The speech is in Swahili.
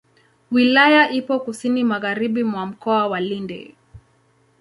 Wilaya ipo kusini magharibi mwa Mkoa wa Lindi.